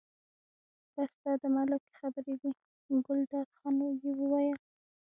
بس دا د ملک خبرې دي، ګلداد خان یې وویل.